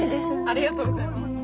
ありがとうございます。